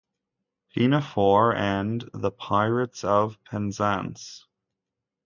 Pinafore" and "The Pirates of Penzance".